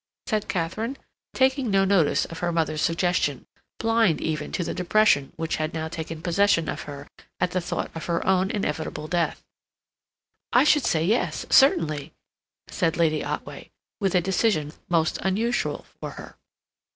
said Katharine, taking no notice of her mother's suggestion, blind even to the depression which had now taken possession of her at the thought of her own inevitable death. "I should say yes, certainly," said Lady Otway, with a decision most unusual for her.